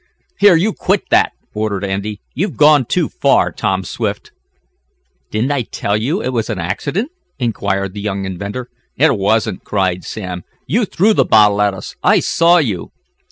"Here! You quit that!" ordered Andy. "You've gone too far, Tom Swift!" "Didn't I tell you it was an accident?" inquired the young inventor. "It wasn't!" cried Sam. "You threw the bottle at us! I saw you!"